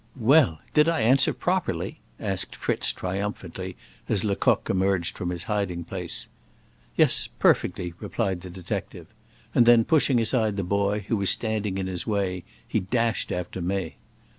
"Well! did I answer properly?" asked Fritz triumphantly as Lecoq emerged from his hiding place. "Yes, perfectly," replied the detective. And then pushing aside the boy, who was standing in his way, he dashed after May.